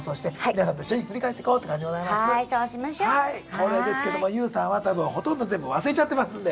恒例ですけどもＹＯＵさんは多分ほとんど全部忘れちゃってますんで。